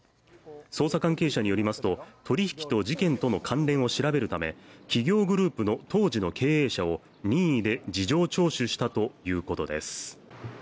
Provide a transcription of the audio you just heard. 捜査関係者によりますと取り引きと事件との関連を調べるため企業グループの当時の経営者を任意で事情聴取したということです。